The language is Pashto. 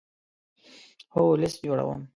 هو، لست جوړوم